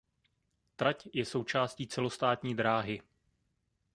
Trať je součástí celostátní dráhy.